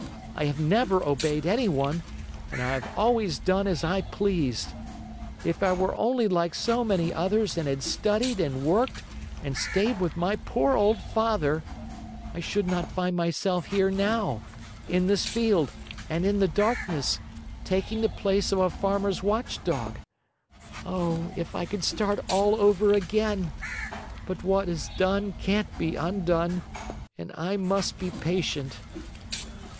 I have never obeyed anyone and I have always done as I pleased. If I were only like so many others and had studied and worked and stayed with my poor old father, I should not find myself here now, in this field and in the darkness, taking the place of a farmer's watchdog. Oh, if I could start all over again! But what is done can't be undone, and I must be patient!"